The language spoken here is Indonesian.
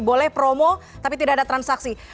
boleh promo tapi tidak ada transaksi